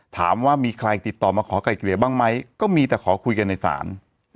ถามว่ามีใครติดต่อมาขอไกลเกลี่ยบ้างไหมก็มีแต่ขอคุยกันในศาล